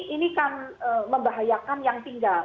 ini kan membahayakan yang tinggal